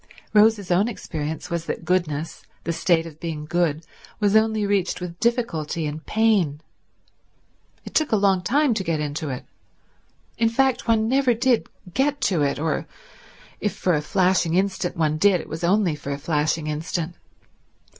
Rose's own experience was that goodness, the state of being good, was only reached with difficulty and pain. It took a long time to get to it; in fact one never did get to it, or, if for a flashing instant one did, it was only for a flashing instant.